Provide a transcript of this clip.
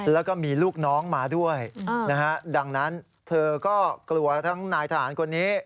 แล้วก็มีลูกน้องมาด้วยนะฮะดังนั้นเธอก็กลัวทั้งนายทหารคนนี้